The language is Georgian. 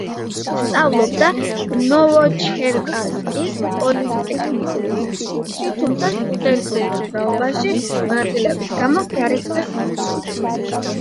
სწავლობდა ნოვოჩერკასკის პოლიტექნიკურ ინსტიტუტში, თუმცა სტუდენტურ მოძრაობაში მონაწილეობის გამო გარიცხეს ინსტიტუტიდან.